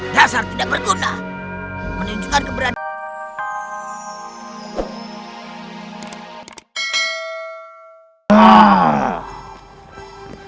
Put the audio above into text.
dasar tidak berguna menunjukkan keberanian